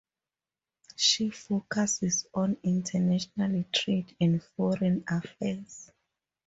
She focuses on international trade and foreign affairs.